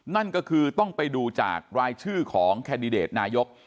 นั่นก็คือต้องไปดูจากรายชื่อของแคนดิเดตนายก